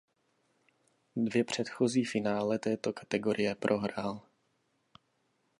Dvě předchozí finále této kategorie prohrál.